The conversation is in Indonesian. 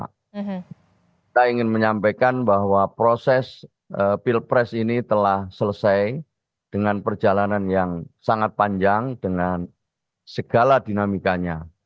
kita ingin menyampaikan bahwa proses pilpres ini telah selesai dengan perjalanan yang sangat panjang dengan segala dinamikanya